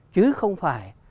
chứ không phải